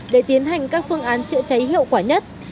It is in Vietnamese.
để tiến hành các phương án chữa cháy hiệu quả nhất